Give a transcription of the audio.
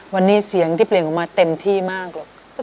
วันนี้เสียงที่เปลี่ยนออกมาเต็มที่มากหรอก